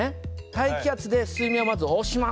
大気圧で水面をまず押します。